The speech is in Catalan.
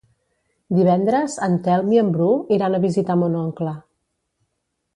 Divendres en Telm i en Bru iran a visitar mon oncle.